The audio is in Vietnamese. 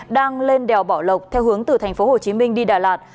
đang lên đèo bảo lộc theo hướng từ tp hồ chí minh đi đà lạt